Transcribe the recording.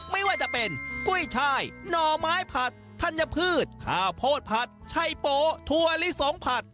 ไม่ว่าจะเป็นกุ้ยชายหน่อไม้ผัดธัญพืชข้าวโพดผัดชัยโป๊ถั่วลิสงผัด